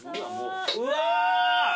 うわ！